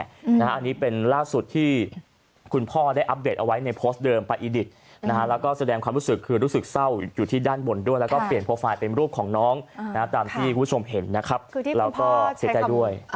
อันนี้เป็นล่าสุดที่คุณพ่อได้อัปเดตเอาไว้ในโพสต์เดิมไปอีดิตนะฮะแล้วก็แสดงความรู้สึกคือรู้สึกเศร้าอยู่ที่ด้านบนด้วยแล้วก็เปลี่ยนโปรไฟล์เป็นรูปของน้องตามที่คุณผู้ชมเห็นนะครับแล้วก็เสียใจด้วย